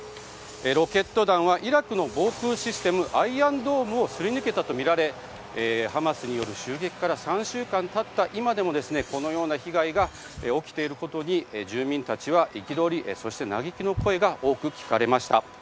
ロケット弾はイラクの防空システムアイアンドームをすり抜けたとみられハマスによる襲撃から３週間経った今もこのような被害が起きていることに、住民たちは憤り、そして嘆きの声が多く聞かれました。